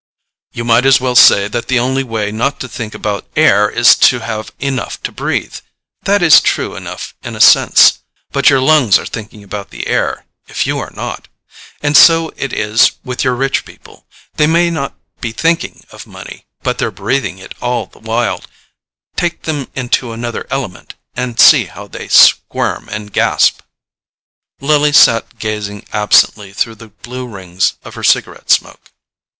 "You might as well say that the only way not to think about air is to have enough to breathe. That is true enough in a sense; but your lungs are thinking about the air, if you are not. And so it is with your rich people—they may not be thinking of money, but they're breathing it all the while; take them into another element and see how they squirm and gasp!" Lily sat gazing absently through the blue rings of her cigarette smoke.